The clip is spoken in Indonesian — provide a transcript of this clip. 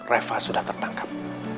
reva sudah tertangkap